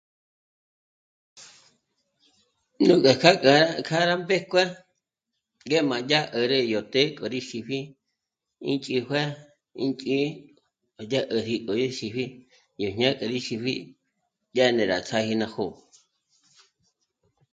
Nújkja kjâ'a rá mbéjkue ngé ma dyá 'ä̀ri yó të́'ë k'o rí xípji ínch'íjue ínch'í'i dyä̀t'äji ó í xípji ñéj ñá'a kja rí xípji dyà né'e rá ts'áji ná jó'o